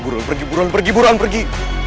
buruan pergi buruan pergi buruan pergi